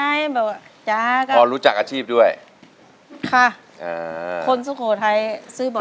นางเดาเรืองหรือนางแววเดาสิ้นสดหมดสาวกลายเป็นขาวกลับมา